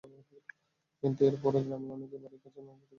কিন্তু এরপরও গ্রামের অনেকে বাড়ির কাছের নলকূপ থেকে পানি পান করত।